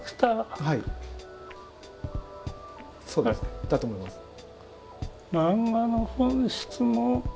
だと思います。